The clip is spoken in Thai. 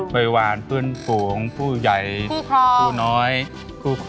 แม่บ้านประจันบัน